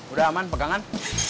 udah aman pegangan